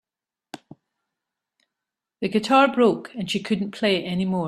The guitar broke and she couldn't play anymore.